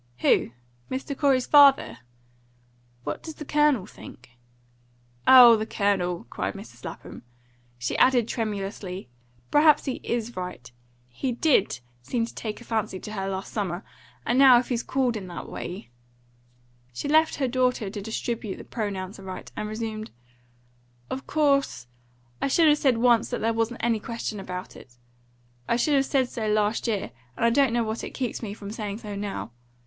"Who? Mr. Corey's father? What does the Colonel think?" "Oh, the Colonel!" cried Mrs. Lapham. She added tremulously: "Perhaps he IS right. He DID seem to take a fancy to her last summer, and now if he's called in that way ..." She left her daughter to distribute the pronouns aright, and resumed: "Of course, I should have said once that there wasn't any question about it. I should have said so last year; and I don't know what it is keeps me from saying so now.